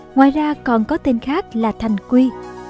ngoài ra còn có tên khác là thành quy